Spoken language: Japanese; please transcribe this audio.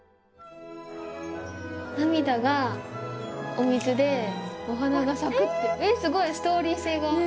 涙がお水でお花が咲くってすごいストーリー性がある。